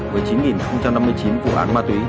một mươi chín năm mươi chín vụ án ma túy